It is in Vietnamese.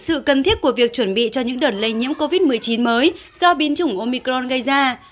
sự cần thiết của việc chuẩn bị cho những đợt lây nhiễm covid một mươi chín mới do biến chủng omicron gây ra